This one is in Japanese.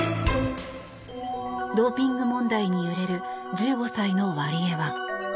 ドーピング問題に揺れる１５歳のワリエワ。